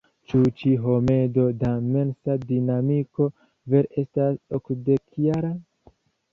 Ĉu ĉi homedo da mensa dinamiko vere estas okdekjara?